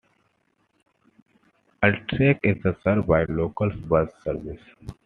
Aldridge is served by local bus services.